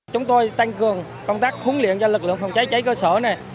chúng tôi tăng cường công tác huấn luyện cho lực lượng phòng cháy cháy cơ sở này